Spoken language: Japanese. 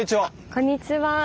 こんにちは。